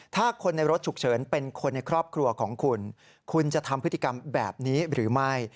ถ้าคนในรถฉุกเฉินเป็นคนในครอบครัวของคุณคุณจะทำพฤติกรรมแบบนี้หรือไม่